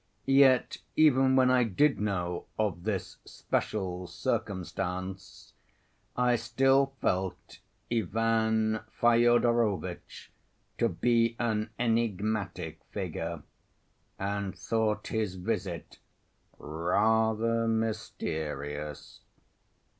Yet even when I did know of this special circumstance I still felt Ivan Fyodorovitch to be an enigmatic figure, and thought his visit rather mysterious.